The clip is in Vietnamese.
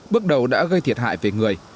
bước đầu đã gây thiệt hại về người